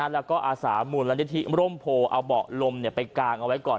แล้วก็อาสาหมุนรันทิศร่มโผล่เอาเบาะลมไปกางเอาไว้ก่อน